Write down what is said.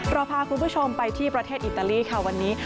เราพาคุณผู้ชมไปที่ประเทศอิตาลีค่ะวันนี้